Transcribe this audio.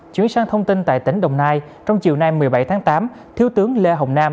chuyển sang thông tin tại tỉnh đồng nai trong chiều nay một mươi bảy tháng tám thiếu tướng lê hồng nam